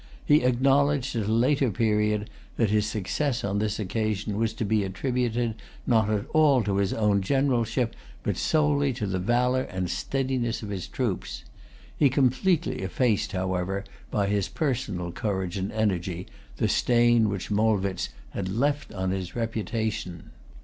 He acknowledged, at a later period, that his success on this occasion was to be attributed, not at all to his own generalship, but solely to the valor and steadiness of his troops. He completely effaced, however, by his personal courage and energy, the stain which Molwitz had left on his reputation.